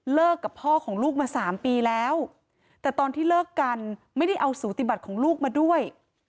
กับพ่อของลูกมา๓ปีแล้วแต่ตอนที่เลิกกันไม่ได้เอาสูติบัติของลูกมาด้วย